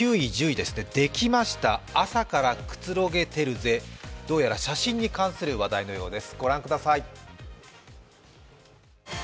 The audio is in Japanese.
できました、朝から寛げてるぜ、どうやら写真に関する話題のようです。